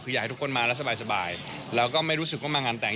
คืออยากให้ทุกคนมาแล้วสบายแล้วก็ไม่รู้สึกว่ามางานแต่ง